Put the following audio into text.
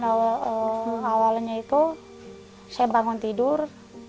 perlahan lahan awalnya itu saya bangun tidur